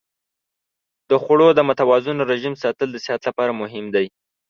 د خوړو د متوازن رژیم ساتل د صحت لپاره مهم دی.